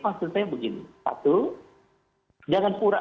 pernyataan mbak putri sudah menjawab pertanyaan